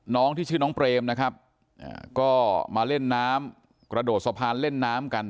น้องที่ชื่อน้องเปรมนะครับก็มาเล่นน้ำกระโดดสะพานเล่นน้ำกัน